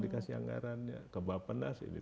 dikasih anggarannya ke bapak nas ini